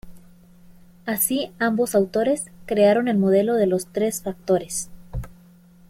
Así ambos autores crearon el Modelo de los Tres Factores.